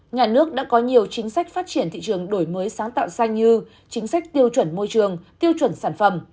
nhà nước đã có nhiều chính sách phát triển thị trường đổi mới sáng tạo xanh như chính sách tiêu chuẩn môi trường tiêu chuẩn sản phẩm